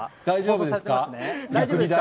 逆に大丈夫ですか？